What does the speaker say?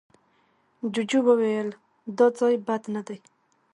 جوجو وويل، دا ځای بد نه دی.